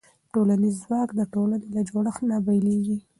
ټولنیز ځواک د ټولنې له جوړښت نه بېلېږي.